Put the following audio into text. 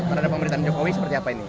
terhadap pemerintahan jokowi seperti apa ini